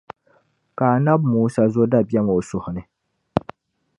Ka Annabi Musa zo dabiεm o suhi ni.